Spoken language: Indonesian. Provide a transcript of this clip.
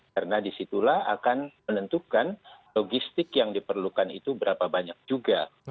karena disitulah akan menentukan logistik yang diperlukan itu berapa banyak juga